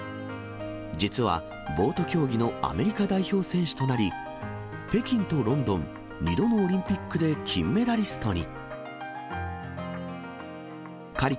実は、ボート競技のアメリカ代表選手となり、北京とロンドン、２度のオリンピックで金メダリストに。